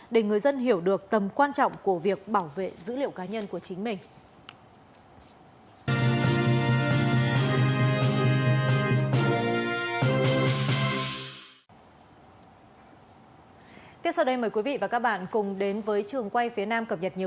để người dân hiểu được tầm quan trọng của việc bảo vệ dữ liệu cá nhân của chính mình